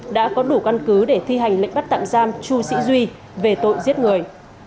đã có đủ căn cứ để thi hành lệnh bắt tạm giam chu sĩ duy về tội giết người